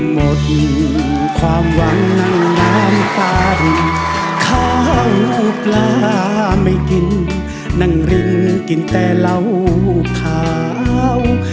หมดกินความหวังนั่งน้ำตาลข้าวปลาไม่กินนั่งริมกินแต่เหล้าขาว